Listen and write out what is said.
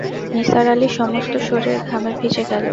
নিসার আলির সমস্ত শরীর ঘামে ভিজে গেল।